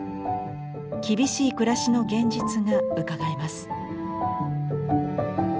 厳しい暮らしの現実がうかがえます。